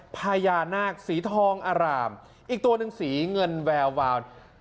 พญานาคสีทองอร่ามอีกตัวหนึ่งสีเงินแวววาน